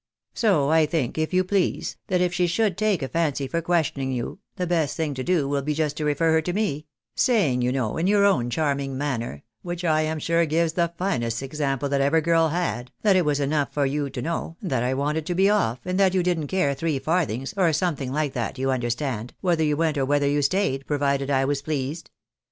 So I think, if you please, that if she should take a fancy for questioning you, the best thing to do will be just to refer her to me ; saying, you know, in your own charming manner, which I am sure gives the finest example that ever girl had, that it was enough for you to know that I wanted to be off, and that you didn't care three farthings, or something like that, you understand, whether you went or whether you stayed, provided I was pleased.